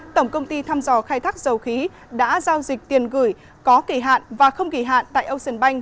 tổng công ty thăm dò khai thác dầu khí đã giao dịch tiền gửi có kỳ hạn và không kỳ hạn tại ocean bank